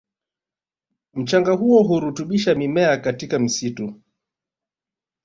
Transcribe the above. Mchanga huo hurutubisha mimea katika msitu